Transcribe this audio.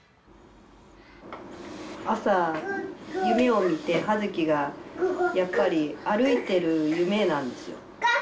朝夢を見て葉月がやっぱり歩いてる夢なんですよ。